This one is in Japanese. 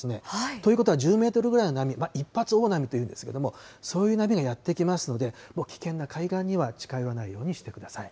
ということは、１０メートルぐらいの波、一発大波というんですけれども、そういう波がやって来ますので、もう危険な海岸には近寄らないようにしてください。